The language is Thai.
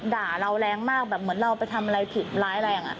ด่าเราแรงมากแบบเหมือนเราไปทำอะไรผิดร้ายแรง